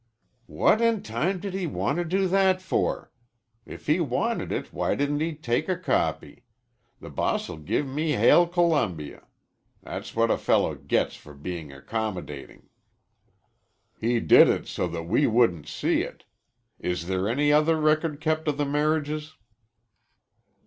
"What in time did he want to do that for? If he wanted it why didn't he take a copy? The boss'll give me Hail Columbia. That's what a fellow gets for being accommodating." "He did it so that we wouldn't see it. Is there any other record kept of the marriages?"